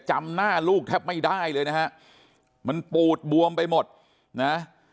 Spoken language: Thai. จำหน้าลูกแทบไม่ได้เลยนะฮะมันปูดบวมไปหมดนะ